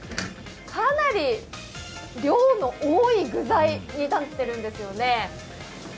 かなり量の多い具材になっているんですよね。